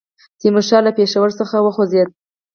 تیمورشاه له پېښور څخه وخوځېدی.